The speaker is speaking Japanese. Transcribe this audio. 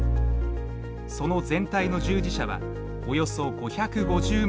その全体の従事者はおよそ５５０万人に上る。